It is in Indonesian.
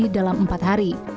dalam empat hari